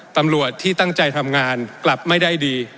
ตำรวจที่ตั้งใจทำงานกลับไม่ได้ดี